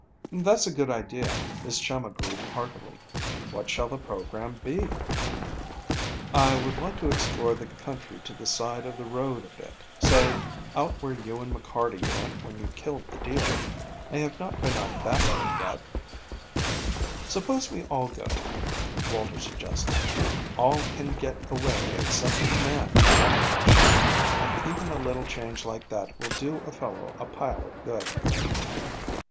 "That's a good idea," his chum agreed heartily. "What shall the program be?" "I would like to explore the country to the side of the road a bit, say out where you and McCarty went when you killed the deer. I have not been out that way yet." "Suppose we all go," Walter suggested. "All can get away except the man running the machine, and even a little change like that will do a fellow a pile of good."